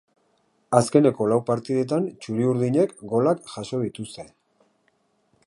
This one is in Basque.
Azkeneko lau partidetan txuri-urdinek golak jaso dituzte.